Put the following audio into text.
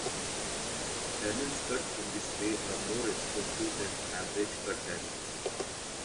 Diamonds cut in this way are more expensive than average cut diamonds.